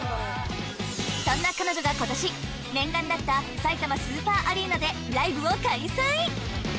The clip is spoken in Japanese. そんな彼女が今年念願だったさいたまスーパーアリーナでライブを開催